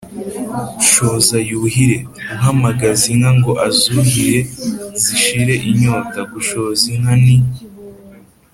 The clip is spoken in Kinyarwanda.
shoza yuhire: uhamagaza inka ngo azuhire zishire inyota gushoza inka ni